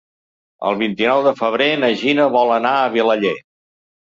El vint-i-nou de febrer na Gina vol anar a Vilaller.